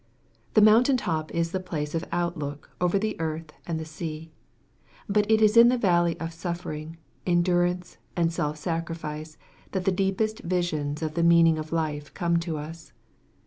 The mountain top is the place of outlook over the earth and the sea. But it is in the valley of suffering, endurance, and self sacrifice that the deep est visions of the meaning of life come to us.